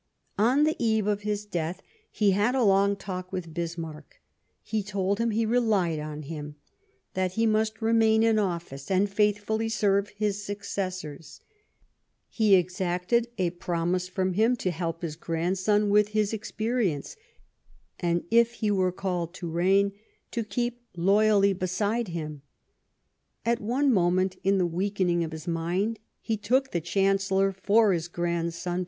On the eve of his death he ' had a long talk with Bismarck ; he told him he relied on him ; that he must remain in office and faithfully serve his successors ; he exacted a promise from him to help his grandson with his experience, and, if he were called to reign, to keep loyally beside him. At one moment, in the weakening of his mind, he took the Chancellor for his grandson.